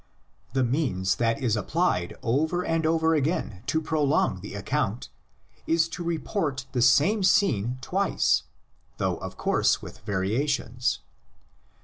The means that is applied over and over again to prolong the account is to report the same scene twice, though of course with variations.